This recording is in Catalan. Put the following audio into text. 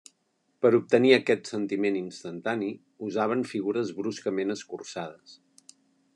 Per obtenir aquest sentiment instantani, usaven figures bruscament escurçades.